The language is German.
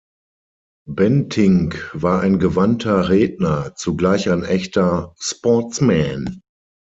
Bentinck war ein gewandter Redner, zugleich ein echter Sportsman.